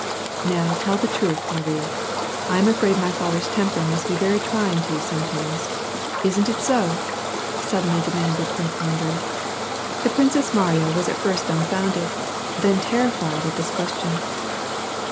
''" Now tell the truth, Marie ; I am afraid my father's temper must he very trying to you sometimes, — isn't it so ?" suddenly ilciiianded Trince Andrei. The Princess Mariya was at first dumhfounded, then terrified, at this question.